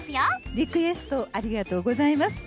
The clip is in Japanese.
リクエストありがとうございます。